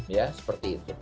ya seperti itu